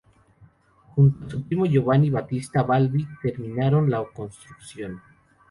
Junto con su primo Giovanni Battista Balbi terminaron la construcción.